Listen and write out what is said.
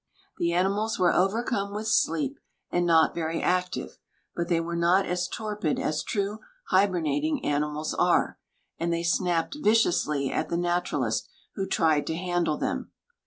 The animals were overcome with sleep and not very active, but they were not as torpid as true hibernating animals are, and they snapped viciously at the naturalist, who tried to handle them.